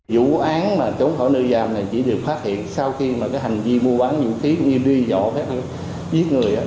vụ án chống khỏi nữ giam này chỉ được phát hiện sau khi hành vi mua bán vũ khí như đi dọc giết người